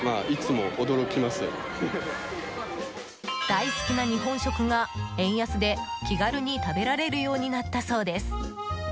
大好きな日本食が、円安で気軽に食べられるようになったそうです。